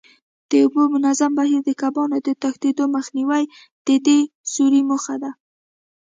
د اوبو منظم بهیر، د کبانو د تښتېدو مخنیوی د دې سوري موخه ده.